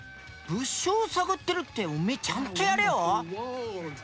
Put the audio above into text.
物証を探ってるっておめえちゃんとやれよ？